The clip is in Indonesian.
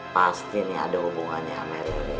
pasti nih ada hubungannya sama rere